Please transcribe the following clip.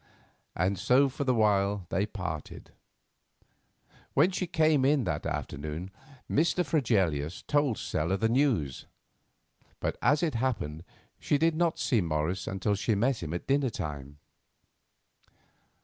And so for the while they parted. When she came in that afternoon, Mr. Fregelius told Stella the news; but, as it happened, she did not see Morris until she met him at dinner time.